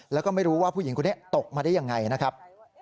แล้วก็ไม่รู้ว่าผู้หญิงคนนี้ตกมาได้ยังไงนะครับ